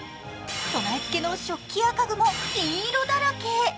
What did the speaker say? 備えつけの食器や家具も金色だらけ。